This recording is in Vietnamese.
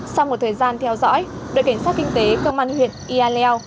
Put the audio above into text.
sau một thời gian theo dõi đội cảnh sát kinh tế công an huyện yà lèo